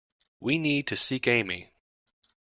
We need to seek Amy.